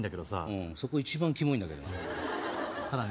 うんそこ一番キモいんだけどなただね